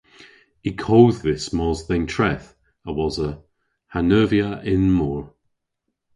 Y kodh dhis mos dhe'n treth a-wosa ha neuvya y'n mor.